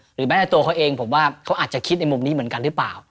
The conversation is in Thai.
หรือแม้แต่ตัวเขาเองผมว่าเขาอาจจะคิดในมุมนี้เหมือนกันหรือเปล่า